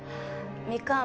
みかん